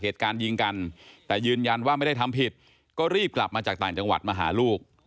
แต่ยืนยันว่าไม่ได้ทำผิดก็รีบกลับมาจากต่างจังหวัดมาหาลูก